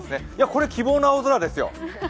これ、希望の青空ですよ。